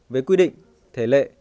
về quy định thể lệ